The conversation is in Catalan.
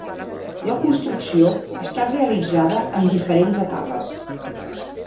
La construcció està realitzada en diferents etapes.